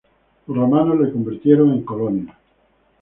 Los romanos la convirtieron en colonia.